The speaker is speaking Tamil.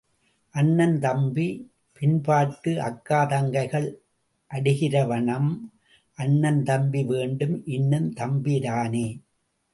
அண்ணன் தம்பி பின்பாட்டு அக்கா தங்கைகள் அடிகிரவணம், அண்ணன் தம்பி வேண்டும், இன்னம் தம்பிரானே.